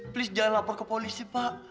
please jangan lapor ke polisi pak